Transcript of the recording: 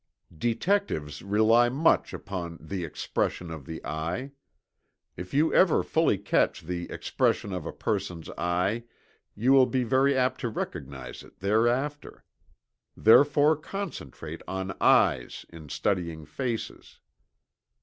Detectives rely much upon the expression of the eye. If you ever fully catch the expression of a person's eye, you will be very apt to recognize it thereafter. Therefore concentrate on eyes in studying faces.